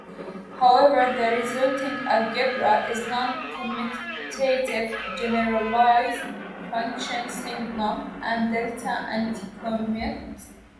However, the resulting algebra is non-commutative: generalized functions signum and delta anticommute.